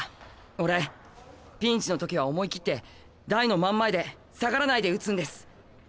俺ピンチの時は思い切って台の真ん前で下がらないで打つんです。